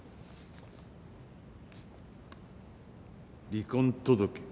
離婚届？